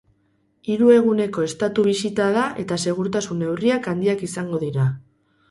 Hiru eguneko estatu bisita da eta segurtasun neurriak handiak izango dira.